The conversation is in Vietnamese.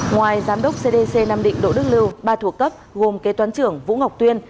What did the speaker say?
ngoài giám đốc cdc nam định đỗ đức lưu ba thuộc cấp gồm kế toán trưởng vũ ngọc tuyên